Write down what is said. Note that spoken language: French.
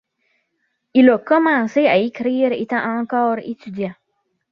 Il a commencé à écrire étant encore étudiant.